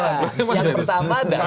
yang pertama adalah